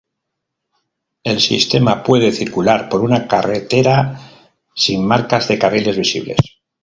El sistema puede circular por una carretera sin marcas de carriles visibles.